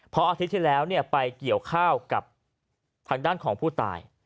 เพราะอาทิตย์ที่แล้วไปเกี่ยวข้าวกับทางด้านของผู้ตาย